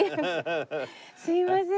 すみません。